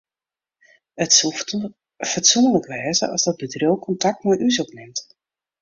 It soe fatsoenlik wêze as dat bedriuw kontakt mei ús opnimt.